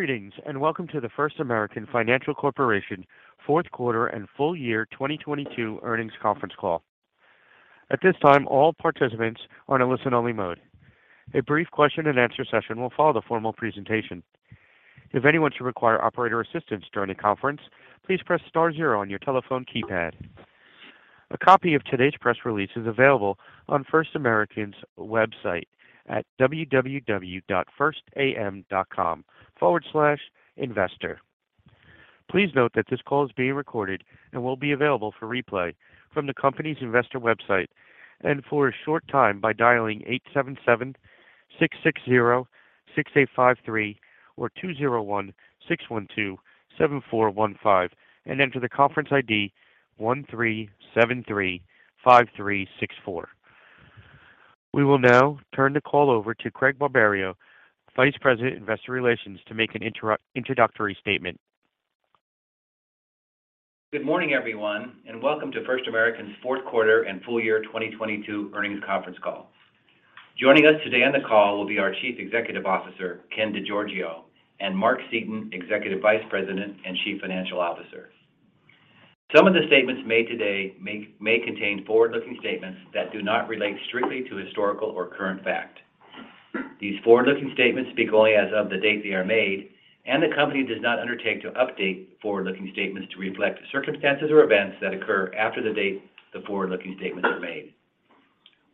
Greetings, and welcome to the First American Financial Corporation fourth quarter and full year 2022 earnings conference call. At this time, all participants are in a listen only mode. A brief question and answer session will follow the formal presentation. If anyone should require operator assistance during the conference, please press star zero on your telephone keypad. A copy of today's press release is available on First American's website at www.firstam.com/investor. Please note that this call is being recorded and will be available for replay from the company's investor website and for a short time by dialing 877-660-6853 or 201-612-7415 and enter the conference ID 13735364.We will now turn the call over to Craig Barberio, Vice President, Investor Relations, to make an introductory statement. Good morning, everyone, welcome to First American's fourth quarter and full year 2022 earnings conference call. Joining us today on the call will be our Chief Executive Officer, Ken DeGiorgio, and Mark Seaton, Executive Vice President and Chief Financial Officer. Some of the statements made today may contain forward-looking statements that do not relate strictly to historical or current fact. These forward-looking statements speak only as of the date they are made, and the company does not undertake to update forward-looking statements to reflect circumstances or events that occur after the date the forward-looking statements are made.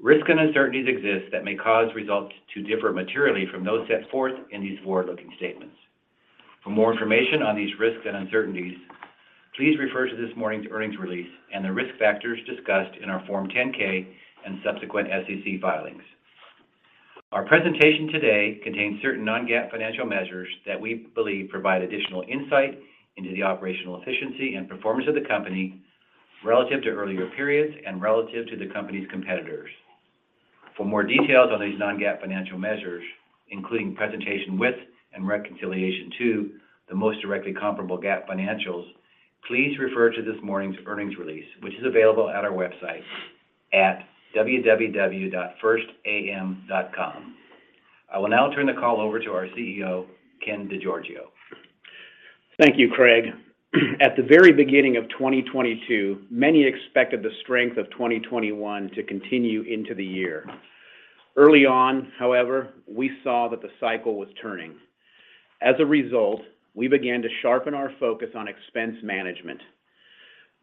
Risk and uncertainties exist that may cause results to differ materially from those set forth in these forward-looking statements. For more information on these risks and uncertainties, please refer to this morning's earnings release and the risk factors discussed in our Form 10-K and subsequent SEC filings. Our presentation today contains certain non-GAAP financial measures that we believe provide additional insight into the operational efficiency and performance of the company relative to earlier periods and relative to the company's competitors. For more details on these non-GAAP financial measures, including presentation with and reconciliation to the most directly comparable GAAP financials, please refer to this morning's earnings release, which is available at our website at www.firstam.com. I will now turn the call over to our CEO, Ken DeGiorgio. Thank you, Craig. At the very beginning of 2022, many expected the strength of 2021 to continue into the year. Early on, however, we saw that the cycle was turning. As a result, we began to sharpen our focus on expense management.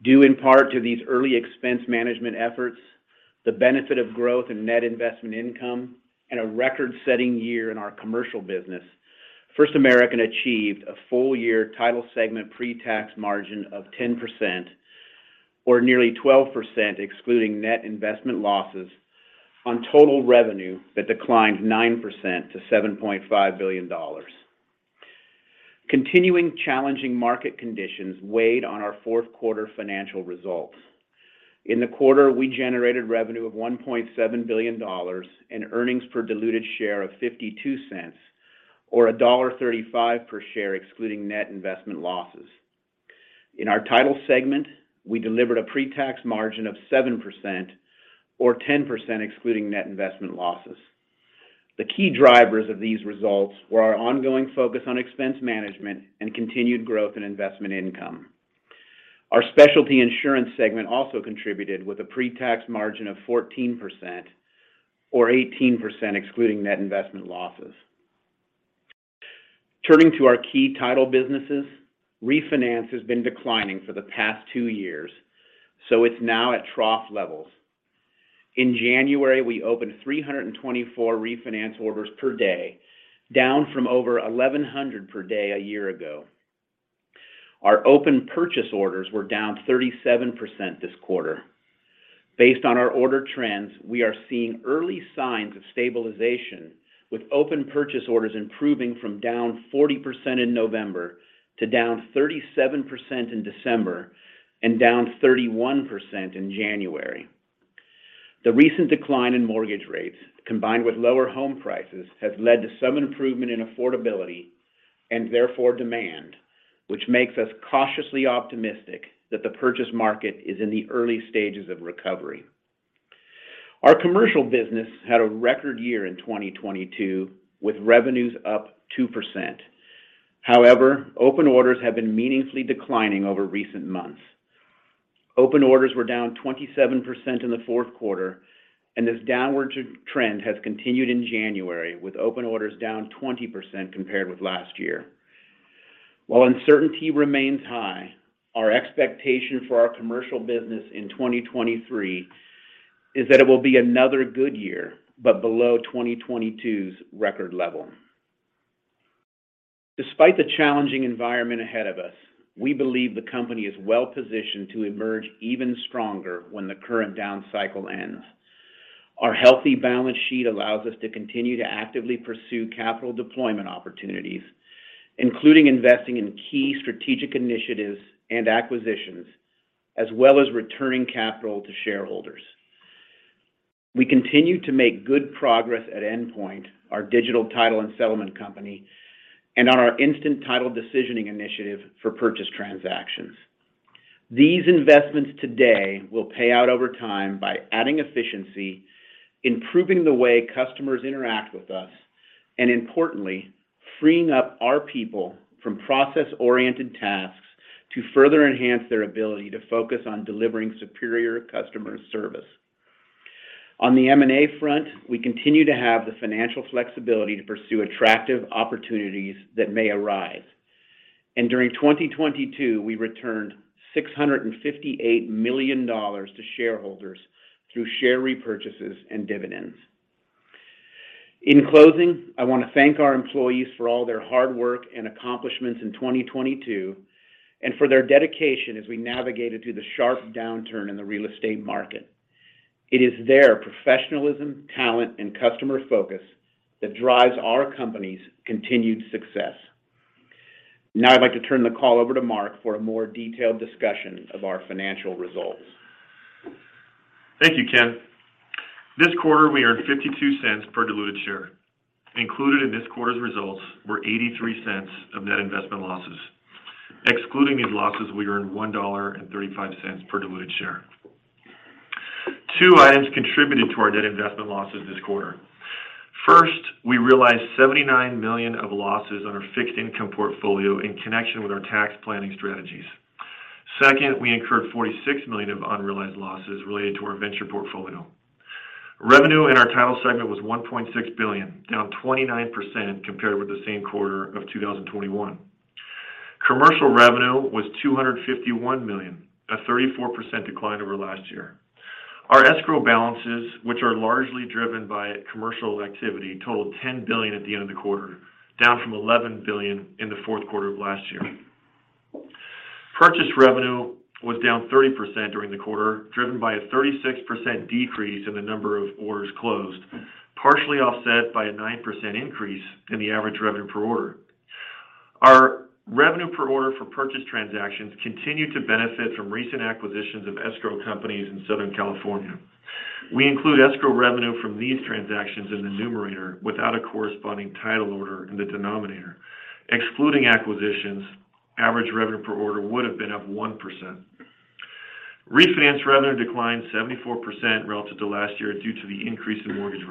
Due in part to these early expense management efforts, the benefit of growth in net investment income and a record-setting year in our commercial business, First American achieved a full year title segment pre-tax margin of 10% or nearly 12% excluding net investment losses on total revenue that declined 9% to $7.5 billion. Continuing challenging market conditions weighed on our fourth quarter financial results. In the quarter, we generated revenue of $1.7 billion and earnings per diluted share of $0.52 or $1.35 per share excluding net investment losses. In our title segment, we delivered a pre-tax margin of 7% or 10% excluding net investment losses. The key drivers of these results were our ongoing focus on expense management and continued growth in investment income. Our specialty insurance segment also contributed with a pre-tax margin of 14% or 18% excluding net investment losses. Turning to our key title businesses, refinance has been declining for the past two years, it's now at trough levels. In January, we opened 324 refinance orders per day, down from over 1,100 per day a year ago. Our open purchase orders were down 37% this quarter. Based on our order trends, we are seeing early signs of stabilization with open purchase orders improving from down 40% in November to down 37% in December and down 31% in January. The recent decline in mortgage rates, combined with lower home prices, has led to some improvement in affordability and therefore demand, which makes us cautiously optimistic that the purchase market is in the early stages of recovery. Our commercial business had a record year in 2022, with revenues up 2%. However, open orders have been meaningfully declining over recent months. Open orders were down 27% in the fourth quarter, and this downward trend has continued in January, with open orders down 20% compared with last year. While uncertainty remains high, our expectation for our commercial business in 2023 is that it will be another good year but below 2022's record level. Despite the challenging environment ahead of us, we believe the company is well positioned to emerge even stronger when the current down cycle ends. Our healthy balance sheet allows us to continue to actively pursue capital deployment opportunities, including investing in key strategic initiatives and acquisitions, as well as returning capital to shareholders. We continue to make good progress at Endpoint, our digital title and settlement company, and on our instant title decisioning initiative for purchase transactions. These investments today will pay out over time by adding efficiency, improving the way customers interact with us, and importantly, freeing up our people from process-oriented tasks to further enhance their ability to focus on delivering superior customer service. On the M&A front, we continue to have the financial flexibility to pursue attractive opportunities that may arise. During 2022, we returned $658 million to shareholders through share repurchases and dividends. In closing, I want to thank our employees for all their hard work and accomplishments in 2022 and for their dedication as we navigated through the sharp downturn in the real estate market. It is their professionalism, talent, and customer focus that drives our company's continued success. I'd like to turn the call over to Mark for a more detailed discussion of our financial results. Thank you, Ken. This quarter, we earned $0.52 per diluted share. Included in this quarter's results were $0.83 of net investment losses. Excluding these losses, we earned $1.35 per diluted share. Two items contributed to our net investment losses this quarter. First, we realized $79 million of losses on our fixed income portfolio in connection with our tax planning strategies. Second, we incurred $46 million of unrealized losses related to our venture portfolio. Revenue in our title segment was $1.6 billion, down 29% compared with the same quarter of 2021. Commercial revenue was $251 million, a 34% decline over last year. Our escrow balances, which are largely driven by commercial activity, totaled $10 billion at the end of the quarter, down from $11 billion in the fourth quarter of last year. Purchase revenue was down 30% during the quarter, driven by a 36% decrease in the number of orders closed, partially offset by a 9% increase in the average revenue per order. Our revenue per order for purchase transactions continued to benefit from recent acquisitions of escrow companies in Southern California. We include escrow revenue from these transactions in the numerator without a corresponding title order in the denominator. Excluding acquisitions, average revenue per order would have been up 1%. Refinance revenue declined 74% relative to last year due to the increase in mortgage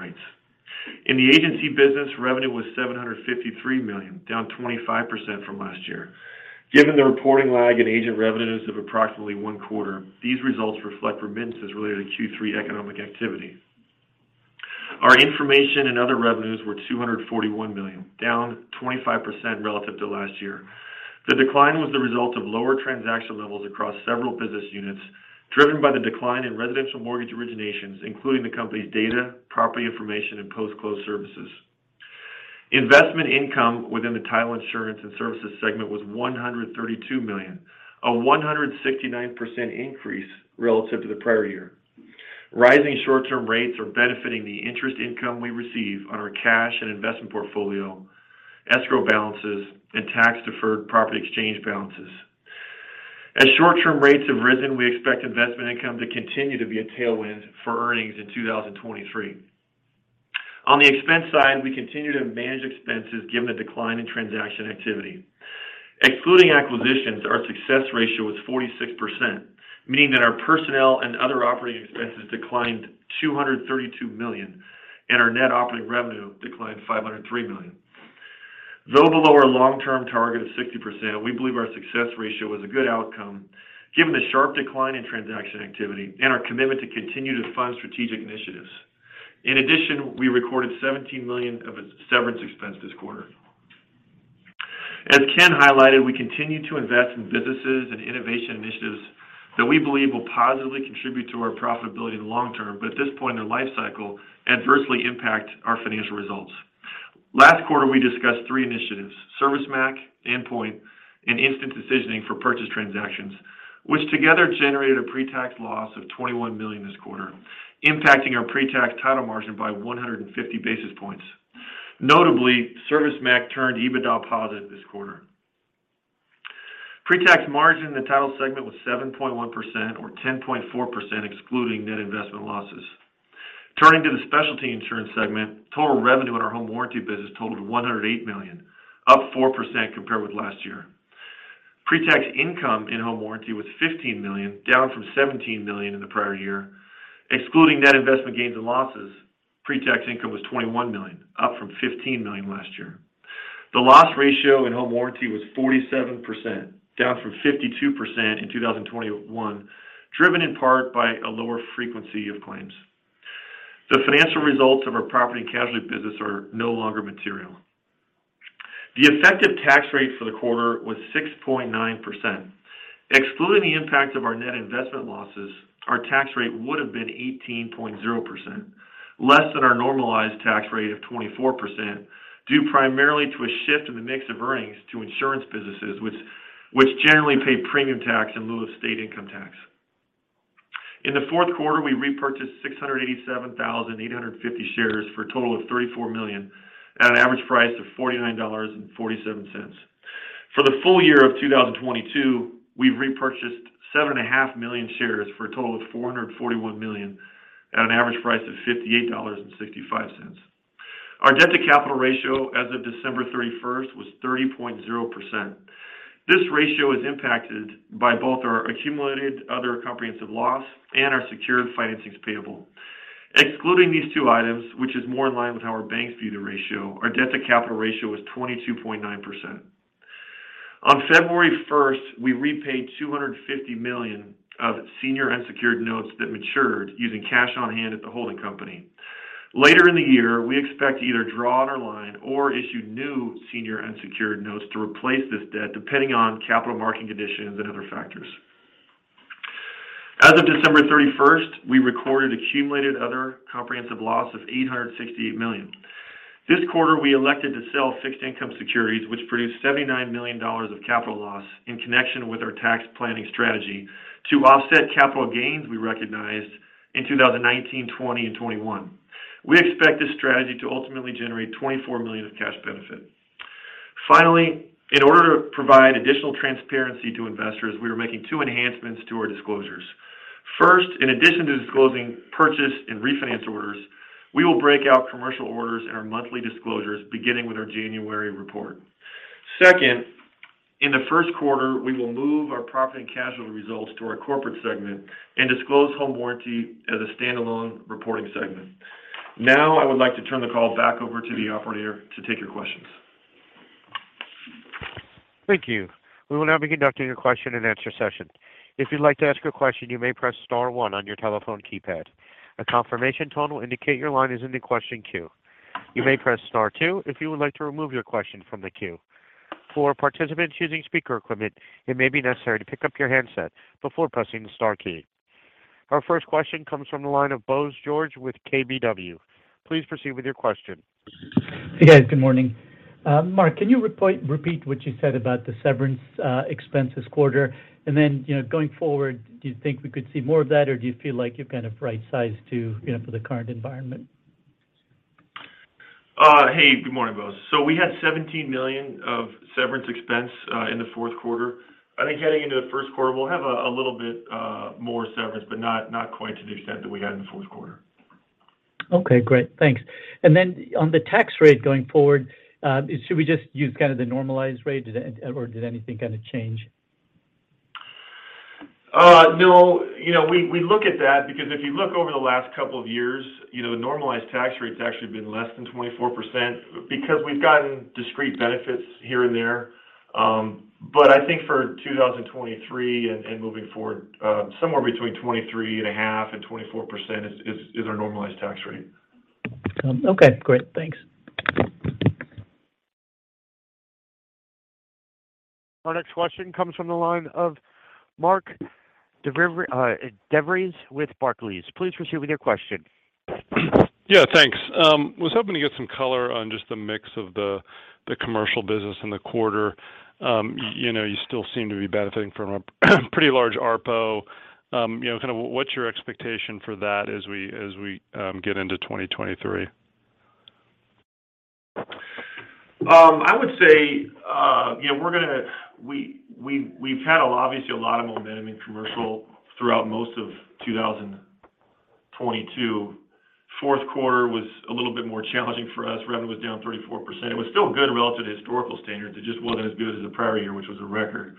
rates. In the agency business, revenue was $753 million, down 25% from last year. Given the reporting lag in agent revenues of approximately one quarter, these results reflect remittances related to Q3 economic activity. Our information and other revenues were $241 million, down 25% relative to last year. The decline was the result of lower transaction levels across several business units, driven by the decline in residential mortgage originations, including the company's data, property information, and post-close services. Investment income within the title insurance and services segment was $132 million, a 169% increase relative to the prior year. Rising short-term rates are benefiting the interest income we receive on our cash and investment portfolio, escrow balances, and tax-deferred property exchange balances. As short-term rates have risen, we expect investment income to continue to be a tailwind for earnings in 2023. On the expense side, we continue to manage expenses given the decline in transaction activity. Excluding acquisitions, our success ratio was 46%, meaning that our personnel and other operating expenses declined $232 million and our net operating revenue declined $503 million. Below our long-term target of 60%, we believe our success ratio was a good outcome given the sharp decline in transaction activity and our commitment to continue to fund strategic initiatives. We recorded $17 million of severance expense this quarter. Ken highlighted, we continue to invest in businesses and innovation initiatives that we believe will positively contribute to our profitability in the long term, but at this point in their lifecycle, adversely impact our financial results. Last quarter, we discussed three initiatives, ServiceMac, Endpoint, and instant decisioning for purchase transactions, which together generated a pre-tax loss of $21 million this quarter, impacting our pre-tax title margin by 150 basis points. Notably, ServiceMac turned EBITDA positive this quarter. Pre-tax margin in the title segment was 7.1% or 10.4% excluding net investment losses. Turning to the specialty insurance segment, total revenue in our home warranty business totaled $108 million, up 4% compared with last year. Pre-tax income in home warranty was $15 million, down from $17 million in the prior year. Excluding net investment gains and losses, pre-tax income was $21 million, up from $15 million last year. The loss ratio in home warranty was 47%, down from 52% in 2021, driven in part by a lower frequency of claims. The financial results of our property and casualty business are no longer material. The effective tax rate for the quarter was 6.9%. Excluding the impact of our net investment losses, our tax rate would have been 18.0%, less than our normalized tax rate of 24%, due primarily to a shift in the mix of earnings to insurance businesses, which generally pay premium tax in lieu of state income tax. In the fourth quarter, we repurchased 687,850 shares for a total of $34 million at an average price of $49.47. For the full year of 2022, we've repurchased 7.5 million shares for a total of $441 million at an average price of $58.65. Our debt-to-capital ratio as of December 31st was 30.0%. This ratio is impacted by both our accumulated other comprehensive loss and our secured financings payable. Excluding these two items, which is more in line with how our banks view the ratio, our debt-to-capital ratio was 22.9%. On February 1, we repaid $250 million of senior unsecured notes that matured using cash on hand at the holding company. Later in the year, we expect to either draw on our line or issue new senior unsecured notes to replace this debt, depending on capital market conditions and other factors. As of December 31st, we recorded accumulated other comprehensive loss of $868 million. This quarter, we elected to sell fixed income securities, which produced $79 million of capital loss in connection with our tax planning strategy to offset capital gains we recognized in 2019, 2020, and 2021. We expect this strategy to ultimately generate $24 million of cash benefit. In order to provide additional transparency to investors, we are making two enhancements to our disclosures. First, in addition to disclosing purchase and refinance orders, we will break out commercial orders in our monthly disclosures beginning with our January report. Second, in the first quarter, we will move our property and casualty results to our corporate segment and disclose home warranty as a standalone reporting segment. I would like to turn the call back over to the operator to take your questions. Thank you. We will now be conducting a question and answer session. If you'd like to ask a question, you may press star one on your telephone keypad. A confirmation tone will indicate your line is in the question queue. You may press star two if you would like to remove your question from the queue. For participants using speaker equipment, it may be necessary to pick up your handset before pressing the star key. Our first question comes from the line of Bose George with KBW. Please proceed with your question. Hey, guys. Good morning. Mark, can you repeat what you said about the severance expense this quarter? Then, you know, going forward, do you think we could see more of that, or do you feel like you're kind of right sized to, you know, for the current environment? Hey, good morning, Bose. We had $17 million of severance expense in the fourth quarter. I think heading into the first quarter, we'll have a little bit more severance, but not quite to the extent that we had in the fourth quarter. Okay, great. Thanks. On the tax rate going forward, should we just use kind of the normalized rate, or did anything kind of change? No. You know, we look at that because if you look over the last couple of years, you know, the normalized tax rate's actually been less than 24% because we've gotten discrete benefits here and there. I think for 2023 and moving forward, somewhere between 23.5% and 24% is our normalized tax rate. Okay, great. Thanks. Our next question comes from the line of Mark DeVries with Barclays. Please proceed with your question. Yeah, thanks. Was hoping to get some color on just the mix of the commercial business in the quarter. You know, you still seem to be benefiting from a pretty large ARPO. You know, kind of what's your expectation for that as we, as we, get into 2023? I would say, you know, we've had obviously a lot of momentum in commercial throughout most of 2022. Fourth quarter was a little bit more challenging for us. Revenue was down 34%. It was still good relative to historical standards. It just wasn't as good as the prior year, which was a record.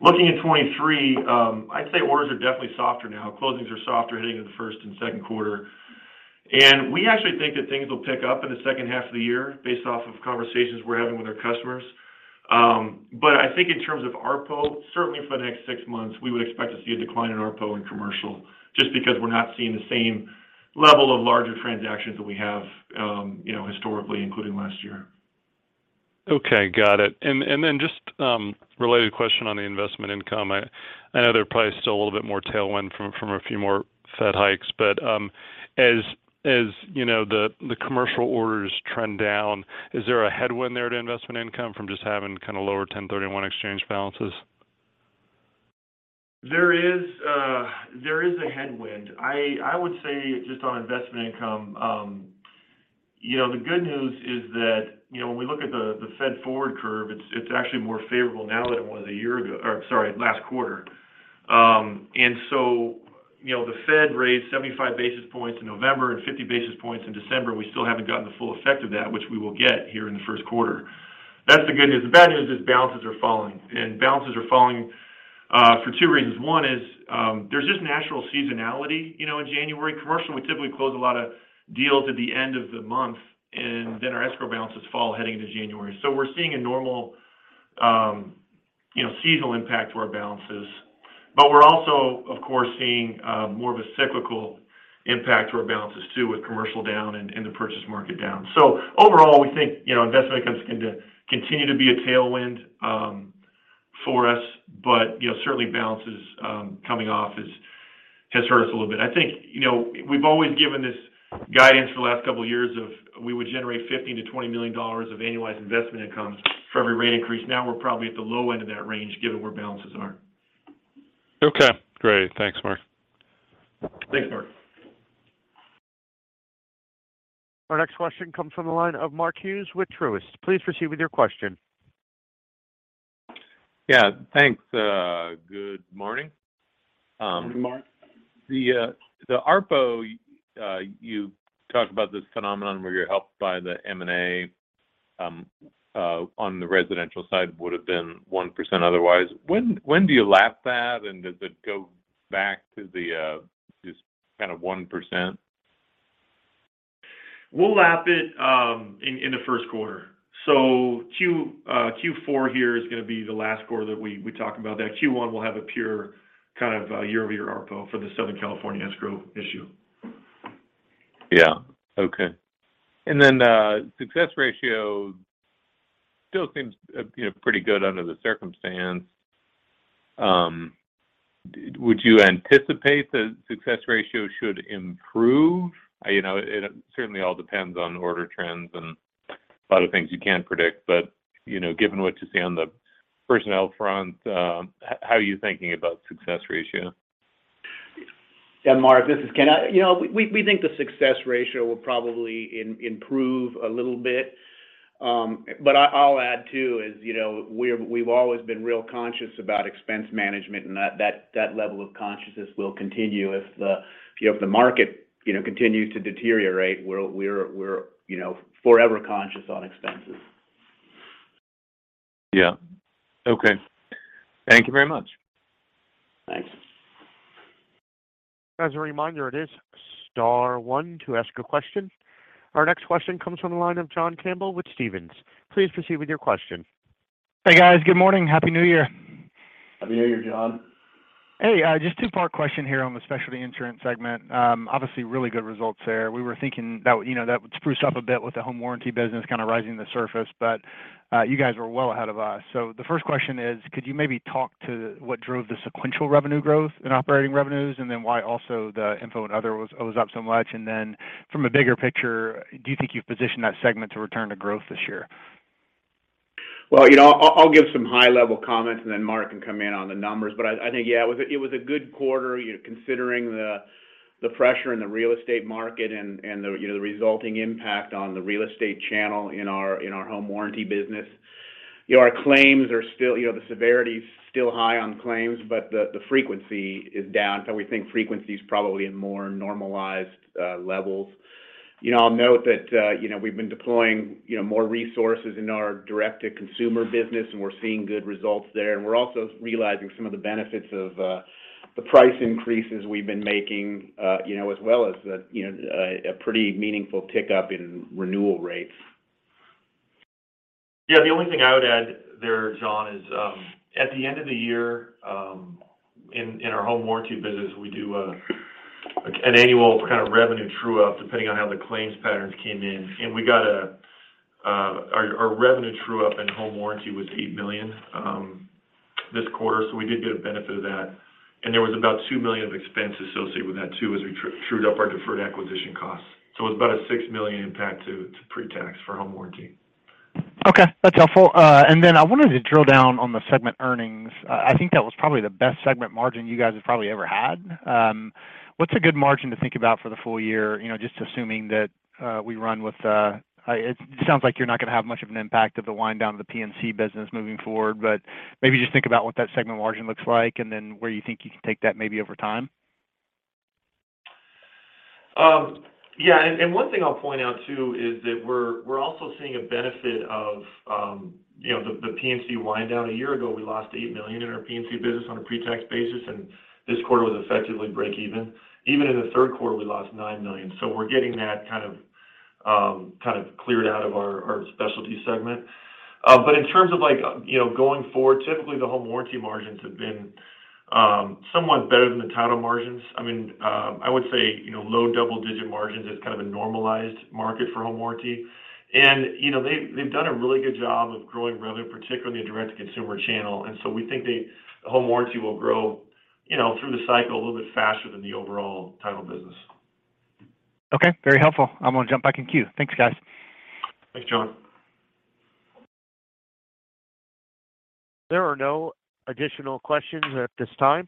Looking at 2023, I'd say orders are definitely softer now. Closings are softer heading into the first and second quarter. We actually think that things will pick up in the second half of the year based off of conversations we're having with our customers. I think in terms of ARPO, certainly for the next six months, we would expect to see a decline in ARPO in commercial just because we're not seeing the same level of larger transactions that we have, you know, historically, including last year. Okay, got it. Then just related question on the investment income? I know there are probably still a little bit more tailwind from a few more Fed hikes, but as, you know, the commercial orders trend down, is there a headwind there to investment income from just having kind of lower 1031 exchange balances? There is, there is a headwind. I would say just on investment income, you know, the good news is that, you know, when we look at the Fed forward curve, it's actually more favorable now than it was a year ago, or sorry, last quarter. So, you know, the Fed raised 75 basis points in November and 50 basis points in December. We still haven't gotten the full effect of that, which we will get here in the first quarter. That's the good news. The bad news is balances are falling, and balances are falling for two reasons. One is, there's just natural seasonality. You know, in January commercial, we typically close a lot of deals at the end of the month, and then our escrow balances fall heading into January. We're seeing a normal, you know, seasonal impact to our balances. We're also, of course, seeing more of a cyclical impact to our balances too, with commercial down and the purchase market down. Overall, we think, you know, investment income is going to continue to be a tailwind for us. You know, certainly balances coming off has hurt us a little bit. I think, you know, we've always given this guidance for the last couple of years of we would generate $15 million-$20 million of annualized investment income for every rate increase. Now we're probably at the low end of that range given where balances are. Okay, great. Thanks, Mark. Thanks, Mark. Our next question comes from the line of Mark Hughes with Truist. Please proceed with your question. Yeah. Thanks. Good morning. Good morning, Mark. The ARPO, you talked about this phenomenon where you're helped by the M&A on the residential side would have been 1% otherwise. When do you lap that, and does it go back to the just kind of 1%? We'll lap it, in the first quarter. Q4 here is gonna be the last quarter that we talk about that. Q1 will have a pure kind of, year-over-year ARPO for the Southern California escrow issue. Yeah. Okay. Then, success ratio still seems, you know, pretty good under the circumstance. Would you anticipate the success ratio should improve? You know, it certainly all depends on order trends and a lot of things you can't predict. You know, given what you see on the personnel front, how are you thinking about success ratio? Yeah, Mark, this is Ken. You know, we think the success ratio will probably improve a little bit. I'll add too, is, you know, we've always been real conscious about expense management, and that level of consciousness will continue. You know, if the market, you know, continues to deteriorate, we're, you know, forever conscious on expenses. Okay. Thank you very much. Thanks. As a reminder, it is star one to ask a question. Our next question comes from the line of John Campbell with Stephens. Please proceed with your question. Hey, guys. Good morning. Happy New Year. Happy New Year, John. Hey. Just two-part question here on the specialty insurance segment. Obviously really good results there. We were thinking that, you know, that would spruce up a bit with the home warranty business kind of rising to the surface. You guys were well ahead of us. The first question is, could you maybe talk to what drove the sequential revenue growth in operating revenues, and then why also the info and other it was up so much? From a bigger picture, do you think you've positioned that segment to return to growth this year? You know, I'll give some high-level comments, and then Mark can come in on the numbers. I think, yeah, it was a good quarter, you know, considering the pressure in the real estate market and the, you know, the resulting impact on the real estate channel in our home warranty business. You know, our claims are still. You know, the severity is still high on claims, but the frequency is down. We think frequency's probably in more normalized levels. You know, I'll note that, you know, we've been deploying, you know, more resources in our direct-to-consumer business, and we're seeing good results there. We're also realizing some of the benefits of the price increases we've been making, you know, as well as the, you know, a pretty meaningful tick up in renewal rates. Yeah. The only thing I would add there, John, is at the end of the year, in our home warranty business, we do an annual kind of revenue true up depending on how the claims patterns came in. We got a our revenue true up in home warranty was $8 million this quarter, we did get a benefit of that. There was about $2 million of expense associated with that too as we trued up our deferred acquisition costs. It was about a $6 million impact to pre-tax for home warranty. Okay. That's helpful. I wanted to drill down on the segment earnings. I think that was probably the best segment margin you guys have probably ever had. What's a good margin to think about for the full year? You know, just assuming that, we run with, it sounds like you're not gonna have much of an impact of the wind down of the PNC business moving forward, but maybe just think about what that segment margin looks like and then where you think you can take that maybe over time. Yeah. One thing I'll point out too is that we're also seeing a benefit of, you know, the PNC wind down. A year ago, we lost $8 million in our PNC business on a pre-tax basis, and this quarter was effectively break even. Even in the third quarter, we lost $9 million. We're getting that kind of cleared out of our specialty segment. In terms of like, you know, going forward, typically, the home warranty margins have been somewhat better than the title margins. I mean, I would say, you know, low double-digit margins is kind of a normalized market for home warranty. You know, they've done a really good job of growing revenue, particularly in direct-to-consumer channel. We think home warranty will grow, you know, through the cycle a little bit faster than the overall title business. Okay. Very helpful. I'm gonna jump back in queue. Thanks, guys. Thanks, John. There are no additional questions at this time.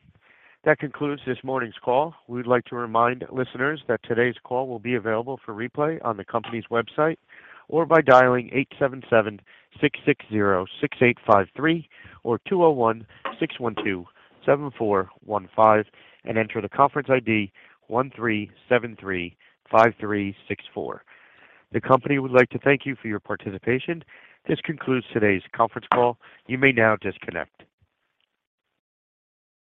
That concludes this morning's call. We would like to remind listeners that today's call will be available for replay on the company's website or by dialing 877-660-6853 or 201-612-7415 and enter the conference ID 13735364. The company would like to thank you for your participation. This concludes today's conference call. You may now disconnect.